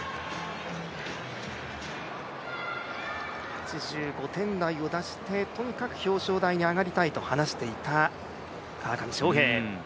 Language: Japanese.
８５点台を出してとにかく表彰台に上がりたいと話していた川上翔平。